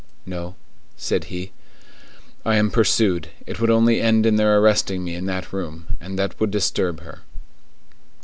"No," said he; "I am pursued; it would only end in their arresting me in that room, and that would disturb her."